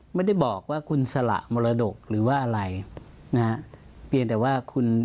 ไม่ได้บอกว่าคุณสละมรดกหรือว่าอะไรนะฮะเพียงแต่ว่าคุณ